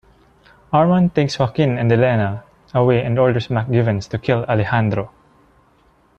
Armand takes Joaquin and Elena away and orders McGivens to kill Alejandro.